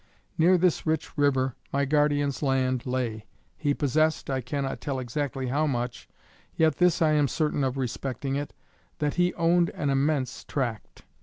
Near this rich river my guardian's land lay. He possessed, I cannot tell exactly how much, yet this I am certain of respecting it, that he owned an immense tract.